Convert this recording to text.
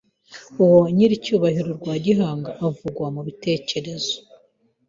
uwo wa Nyirarucyaba rwa Gihanga uvugwa .Mu bitekerezo